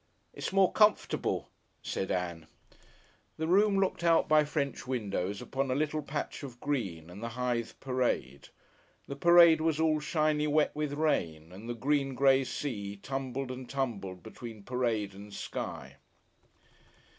"It's more comfortable," said Ann. The room looked out by French windows upon a little patch of green and the Hythe parade. The parade was all shiny wet with rain, and the green grey sea tumbled and tumbled between parade and sky.